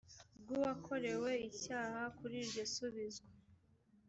bw uwakorewe icyaha kuri iryo subizwa